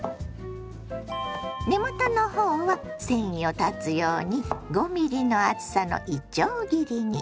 根元の方は繊維を断つように５ｍｍの厚さのいちょう切りに。